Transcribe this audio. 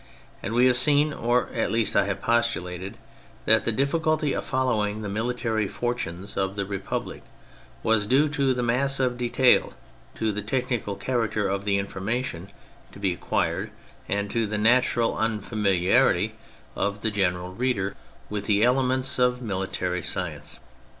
And we have seen (or at least I have postulated) that the difficulty of following the military fortunes of the Republic was due to the mass of detail, to the technical character of the information to be acquired and to the natural unfamiliarity of the general reader with the elements of military science.